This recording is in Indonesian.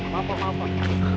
maaf pak maaf pak